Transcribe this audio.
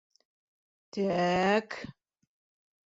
Тә-әк!